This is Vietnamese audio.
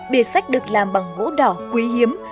bìa sách được làm bằng ngỗ đỏ quý hiếm